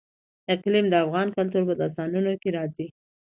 اقلیم د افغان کلتور په داستانونو کې راځي.